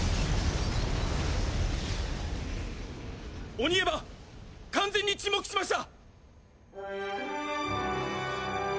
鬼エヴァ完全に沈黙しました！